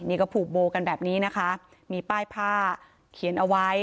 นี่ก็ผูกโบกันแบบนี้นะคะมีป้ายผ้าเขียนเอาไว้